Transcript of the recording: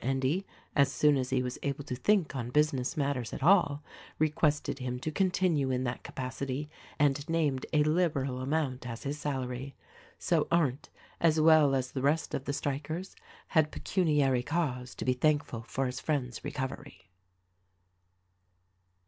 Mr. Endy, as soon as he was able to think on business matters at all, requested him to continue in that capacity, and named a liberal amount as his salary. So Arndt, as well as the rest of the strikers, had pecuniary cause to be thankful for his friend's recovery.